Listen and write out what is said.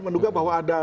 menduga bahwa ada